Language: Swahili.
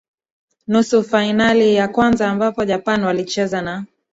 nusu fainali ya kwanza ambapo japan walicheza na